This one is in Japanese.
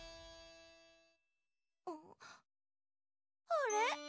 あれ？